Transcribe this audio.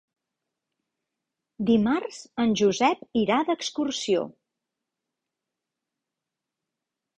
Dimarts en Josep irà d'excursió.